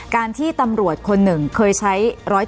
การที่ตำรวจคนหนึ่งเคยใช้๑๔